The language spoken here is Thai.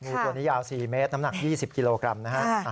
ตัวนี้ยาว๔เมตรน้ำหนัก๒๐กิโลกรัมนะฮะ